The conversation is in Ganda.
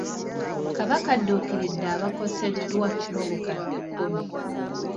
Kabaka adduukiridde abakoseddwa n'obukadde kikumi